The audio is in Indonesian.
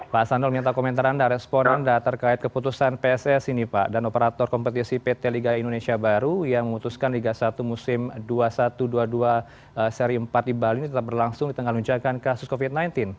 pak aksanul minta komentar anda respon anda terkait keputusan pssi dan operator kompetisi pt liga indonesia baru yang memutuskan liga satu musim dua ribu dua puluh satu dua ribu dua puluh dua seri empat di bali tetap berlangsung di tengah nunjakan kasus covid sembilan belas